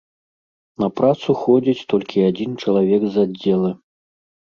На працу ходзіць толькі адзін чалавек з аддзела.